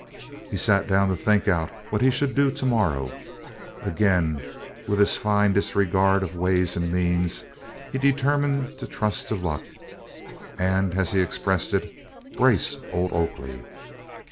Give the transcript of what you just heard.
He sat down to think out what he should do to morrow. Again, with his fine disregard of ways and means, he determined to trust to luck, and as he expressed it, "brace old Oakley."